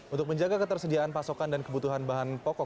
untuk menjaga ketersediaan pasokan dan kebutuhan bahan pokok